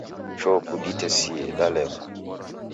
Choo kuditesie, dalemwa